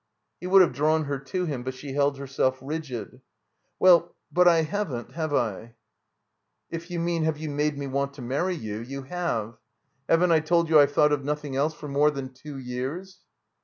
He would have drawn her to him, but she held herself rigid. "Well, but— I haven't— have I?" "If you mean, have you made me want to marry you, you have. Haven't I told you I've thought of nothing else for more than two years?"